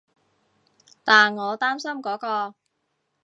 但我擔心嗰個